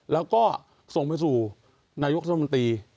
แล้วก็ส่งไปสู่นายกสุรคมตี